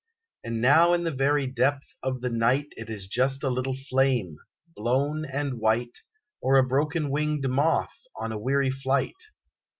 And now in the very depth of the night It is just a little flame, blown and white, Or a broken winged moth on a weary flight.